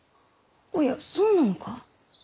おやそうなのか！？